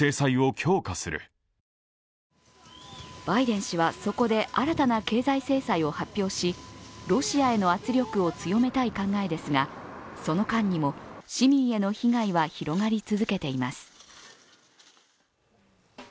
バイデン氏はそこで新たな経済制裁を発表しロシアへの圧力を強めたい考えですがその間にも、市民への被害は広がり続けています。